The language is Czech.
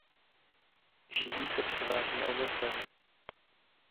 Živí se převážně ovocem.